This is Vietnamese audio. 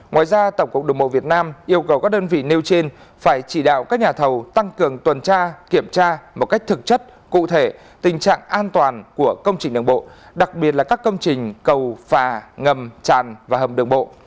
ngoài ra tổng cục đồng bộ việt nam yêu cầu các đơn vị nêu trên phải chỉ đạo các nhà thầu tăng cường tuần tra kiểm tra một cách thực chất cụ thể tình trạng an toàn của công trình đường bộ đặc biệt là các công trình cầu phà ngầm tràn và hầm đường bộ